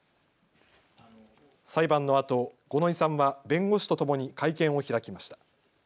裁判のあと五ノ井さんは弁護士とともに会見を開きました。